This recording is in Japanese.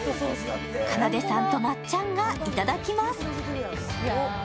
かなでさんとまっちゃんがいただきます。